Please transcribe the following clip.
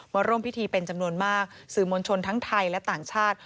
ร่วมพิธีเป็นจำนวนมากสื่อมวลชนทั้งไทยและต่างชาติ